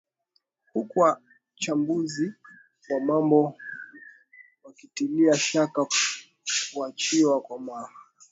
huku wachambuzi wa mambo wakitilia shaka kuachiwa kwa mwanaharakati huyo